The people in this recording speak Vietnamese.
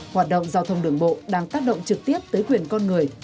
hoạt động giao thông đường bộ đang tác động trực tiếp tới quyền con người